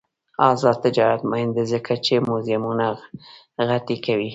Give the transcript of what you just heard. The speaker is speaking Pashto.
آزاد تجارت مهم دی ځکه چې موزیمونه غني کوي.